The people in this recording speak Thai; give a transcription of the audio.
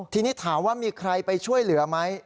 ทีนี้ถามว่ามีใครไปช่วยเหลือไหม